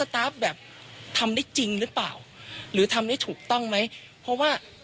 คุณผู้ชมฟังเสียงคุณธนทัศน์เล่ากันหน่อยนะคะ